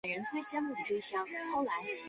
环辛烷是八个碳的环烷烃。